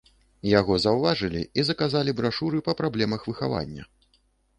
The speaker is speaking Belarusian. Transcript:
Яго заўважылі і заказалі брашуры па праблемах выхавання.